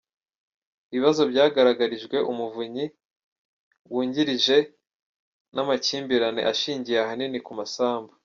Ibibazo byagaragarijwe Umuvunyi wungirijne ni amakimbirane ashingiye ahanini ku masambu.